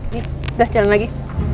sudah jalan lagi